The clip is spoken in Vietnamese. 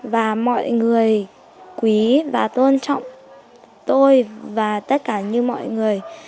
và mọi người quý và tôn trọng tôi và tất cả như mọi người